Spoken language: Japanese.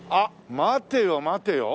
待てよ待てよ。